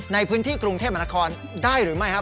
ในพื้นที่กรุงเทพมนาคอนได้หรือไม่ครับ